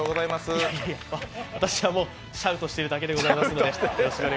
私はもうシャウトしてるだけでございますので。